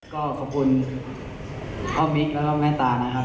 ก็ขอบคุณพ่อมิ๊กแล้วก็แม่ตานะครับ